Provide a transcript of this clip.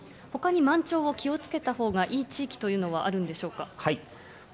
ほかに満潮を気をつけたほうがいい地域というのはあるんでしょうか。